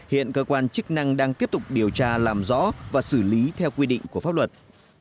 hiện cơ quan chức năng đang tiếp tục điều tra làm rõ và xử lý theo quy định của pháp luật